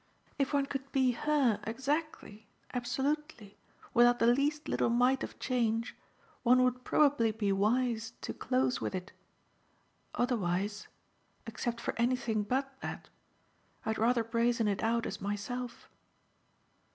If one could be her exactly, absolutely, without the least little mite of change, one would probably be wise to close with it. Otherwise except for anything BUT that I'd rather brazen it out as myself."